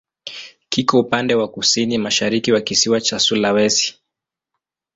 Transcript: Kiko upande wa kusini-mashariki wa kisiwa cha Sulawesi.